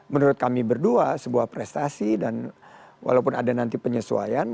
menurut kami berdua sebuah prestasi dan walaupun ada nanti penyesuaian